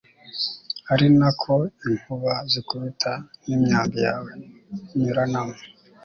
ari na ko inkuba zikubita, n'imyambi yawe inyuranamo